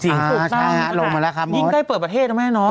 อ๋อใช่ลงมาแล้วค่ะโม้ดโม้ดยิ่งใกล้เปิดประเทศนะแม่น้อง